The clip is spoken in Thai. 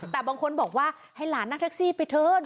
แต่บางคนบอกว่าให้หลานนั่งแท็กซี่ไปเถอะ